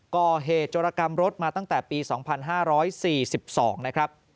จรกรรมรถมาตั้งแต่ปี๒๕๔๒นะครับ